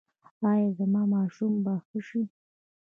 ایا زما ماشوم به ښه شي؟